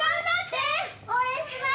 応援してます！